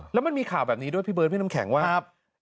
แล้วมันมีข่าวแบบนี้ด้วยพี่เบิร์ดพี่น้ำแข็งว่า